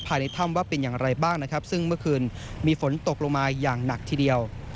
ภายในถ้ำว่าเป็นอย่างไรบ้างนะครับซึ่งเมื่อคืนมีฝนตกลงมาอย่างหนักทีเดียว